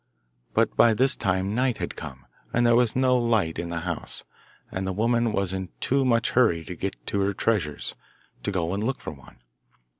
But by this time night had come, and there was no light in the house, and the woman was in too much hurry to get to her treasures, to go and look for one.